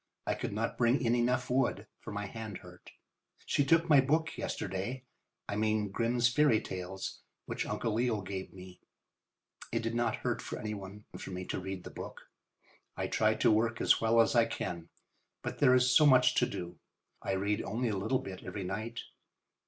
I could not bring in enough wood, for my hand hurt. She took my book yesterday. I mean "Grimm's Fairy Tales," which Uncle Leo gave me. It did not hurt any one for me to read the book. I try to work as well as I can, but there is so much to do. I read only a little bit every night.